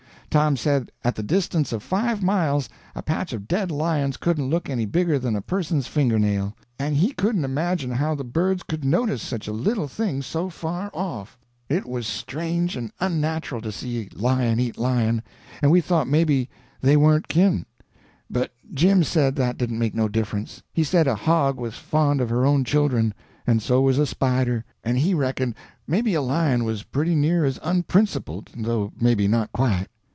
Tom said at the distance of five mile a patch of dead lions couldn't look any bigger than a person's finger nail, and he couldn't imagine how the birds could notice such a little thing so far off. It was strange and unnatural to see lion eat lion, and we thought maybe they warn't kin. But Jim said that didn't make no difference. He said a hog was fond of her own children, and so was a spider, and he reckoned maybe a lion was pretty near as unprincipled though maybe not quite.